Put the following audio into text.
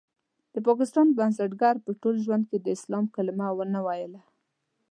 د پاکستان بنسټګر په ټول ژوند کې د اسلام کلمه ونه ويله.